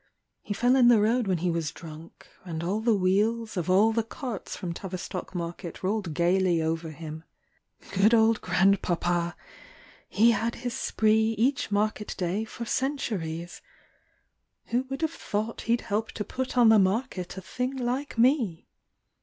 He fell in the road when he was drunk, And all the wheels of all the carts from Tavistock market Rolled gaily over him . Good old grandpapa ! He had his spree Each market day for centuries. — Who would have thought He'd help to put on the market a thing like me